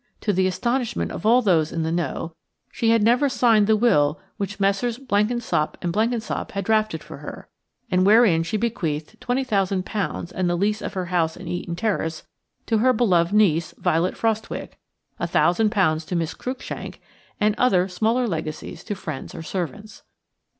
To the astonishment of all those in the know, she had never signed the will which Messrs. Blenkinsop and Blenkinsop had drafted for her, and wherein she bequeathed £20,000 and the lease of her house in Eaton Terrace to her beloved niece, Violet Frostwicke, £1,000 to Miss Cruikshank, and other, smaller, legacies to friends or servants.